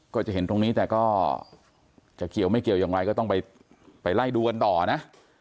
ก็จะเห็นตรงนี้แต่ก็จะเกี่ยวไม่เกี่ยวอย่างไรก็ต้องไปไล่ดูกันต่อนะ